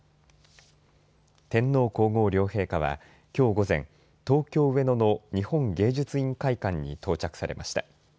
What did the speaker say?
天皇皇后両陛下はきょう午前、東京上野の日本芸術院会館に到着されました。